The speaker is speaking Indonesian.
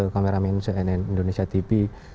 kameramen cnn indonesia tv